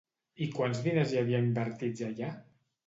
I quants diners hi havia invertits allà?